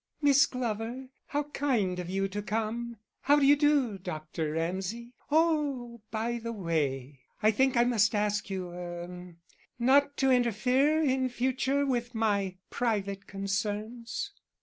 "Miss Glover, how kind of you to come. How d'you do, Dr. Ramsay?... Oh, by the way, I think I must ask you er not to interfere in future with my private concerns."